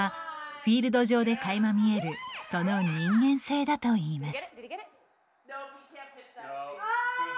フィールド上でかいま見えるその人間性だといいます。